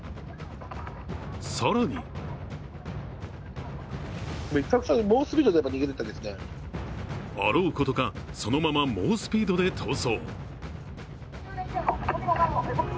更にあろうことか、そのまま猛スピードで逃走。